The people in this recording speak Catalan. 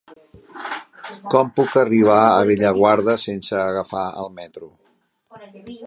Com puc arribar a Bellaguarda sense agafar el metro?